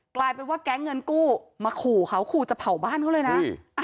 กลายเป็นว่าแก๊งเงินกู้มาขู่เขาขู่จะเผาบ้านเขาเลยนะ